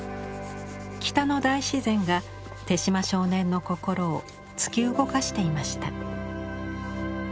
北の大自然が手島少年の心を突き動かしていました。